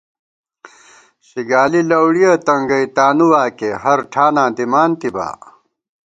شِگالی لَؤڑِیَہ تنگَئ تانُو واکے، ہرٹھاناں دِمانتِبا